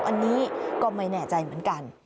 อันนี้ก็ไม่แน่ใจเหมือนกัน